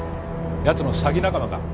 奴の詐欺仲間か。